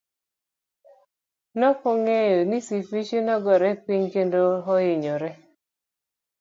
Nokongeyo ni Sifichi nogore piny kendo ohinyore.